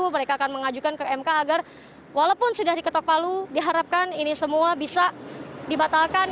mereka akan mengajukan ke mk agar walaupun sudah diketok palu diharapkan ini semua bisa dibatalkan